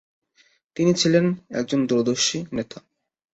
তিনি ছিলেন একজন দূরদর্শী নেতা।